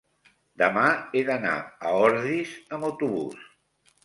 demà he d'anar a Ordis amb autobús.